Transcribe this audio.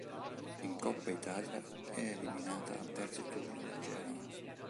In Coppa Italia è eliminata al terzo turno dal Genoa.